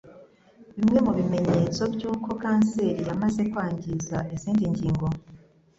Bimwe mu bimenyetso by'uko kanseri yamaze kwangiza izindi ngingo